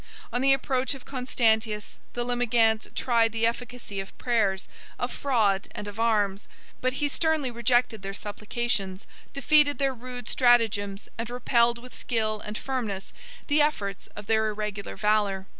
On the approach of Constantius, the Limigantes tried the efficacy of prayers, of fraud, and of arms; but he sternly rejected their supplications, defeated their rude stratagems, and repelled with skill and firmness the efforts of their irregular valor.